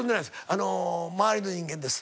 あの周りの人間です。